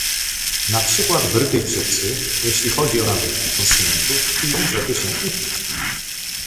Na przykład Brytyjczycy, jeśli chodzi o nawyki konsumentów, piją, żeby się upić